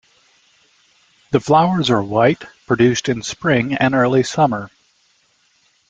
The flowers are white, produced in spring and early summer.